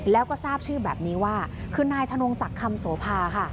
แล้วก็ทราบชื่อแบบนี้ว่าคือนายธนงศักดิ์คำโสภาค่ะ